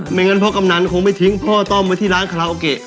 อย่างนั้นพ่อกำนันคงไม่ทิ้งพ่อต้อมไว้ที่ร้านคาราโอเกะ